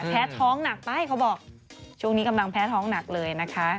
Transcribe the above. แพ้ท้องหนักไปเขาบอกช่วงนี้กำลังแพ้ท้องหนักเลยนะคะ